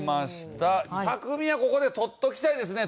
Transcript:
たくみはここで取っておきたいですね。